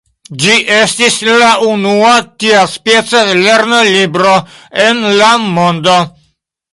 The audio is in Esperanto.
Ĝi estis la unua tiaspeca lernolibro en la mondo.